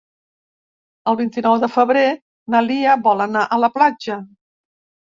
El vint-i-nou de febrer na Lia vol anar a la platja.